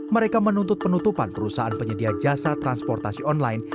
mereka menuntut penutupan perusahaan penyedia jasa transportasi online